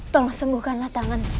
tolong sembuhkanlah tanganmu